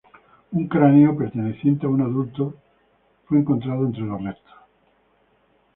Un cráneo perteneciente a un adulto fue encontrado entre los restos.